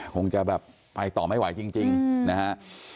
คงจะแบบไปต่อไม่ไหวจริงนะฮะ